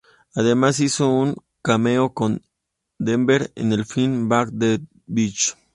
Además hizo un cameo con Denver en el film "Back to the Beach".